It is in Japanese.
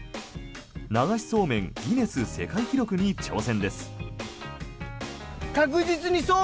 流しそうめんギネス世界記録に挑戦です。